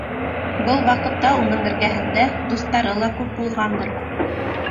Был ваҡытта уның эргәһендә дуҫтары ла күп булғандыр.